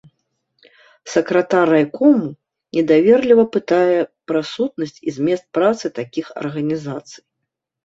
Сакратар райкому недаверліва пытае пра сутнасць і змест працы такіх арганізацый.